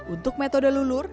untuk metode lulur